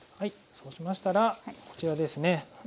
そうしましたらこちらですね。